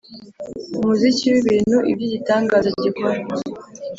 umuziki wibintu, ibyo igitangaza gikora!